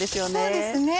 そうですね。